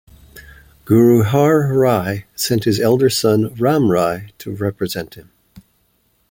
Guru Har Rai sent his elder son Ram Rai to represent him.